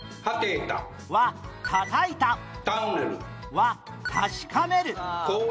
は「確かめる」